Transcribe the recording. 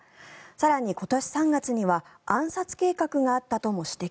更に、今年３月には暗殺計画があったとも指摘。